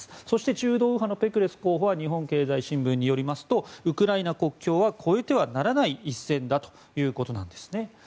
そして中道右派のぺクレス候補は日本経済新聞によりますとウクライナ国境は越えてはならない一線だということなんですね。